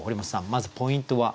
まずポイントは？